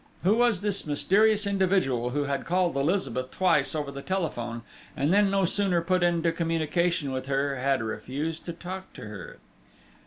"Who was this mysterious individual who had called Elizabeth twice over the telephone, and then, no sooner put into communication with her, had refused to talk to her?"